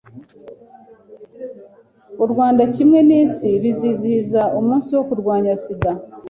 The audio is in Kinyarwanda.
u Rwanda kimwe n’Isi bizihiza umunsi wo kurwanya sida